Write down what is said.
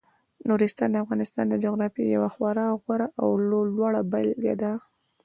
نورستان د افغانستان د جغرافیې یوه خورا غوره او لوړه بېلګه ده.